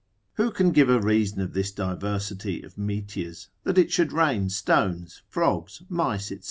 Who can give a reason of this diversity of meteors, that it should rain stones, frogs, mice, &c.